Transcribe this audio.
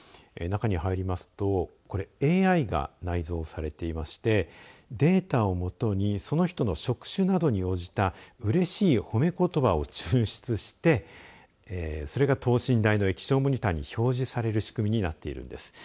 中に入りますと、ＡＩが内蔵されていましてデータをもとにその人の職種などに応じたうれしい褒めことばを抽出してそれが等身大の液晶モニターに表示される仕組みになっているんです。